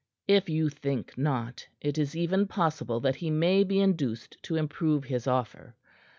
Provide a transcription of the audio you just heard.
If you think not, it is even possible that he may be induced to improve his offer.